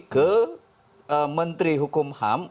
ke menteri hukum ham